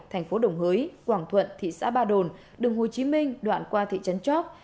thành phố đồng hới quảng thuận thị xã ba đồn đường hồ chí minh đoạn qua thị trấn chóc